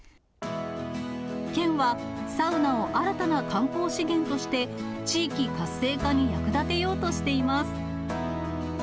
県はサウナを新たな観光資源として、地域活性化に役立てようとしています。